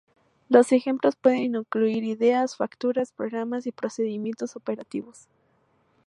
Los ejemplos pueden incluir ideas, facturas, programas y procedimientos operativos.